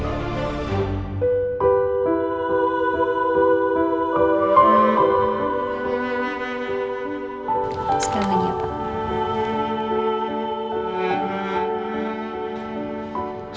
sekali lagi ya pak